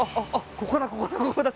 ここだここだここだ！